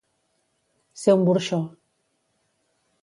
Ser un burxó.